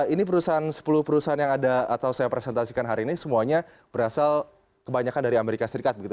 ini sepuluh perusahaan yang ada atau saya presentasikan hari ini semuanya berasal kebanyakan dari amerika serikat begitu